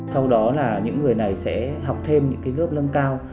sau đó là những người này sẽ học thêm những lớp nâng cao